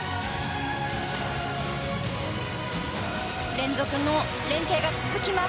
連続の連係が続きます。